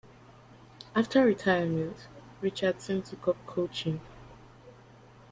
After retirement, Richardson took up coaching.